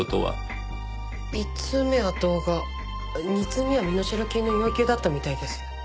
１通目は動画２通目は身代金の要求だったみたいです。